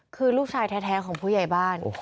คือลูกชายแท้ของผู้ใหญ่บ้าน